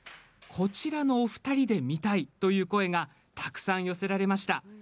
このお二人で見たいという声がたくさん寄せられました。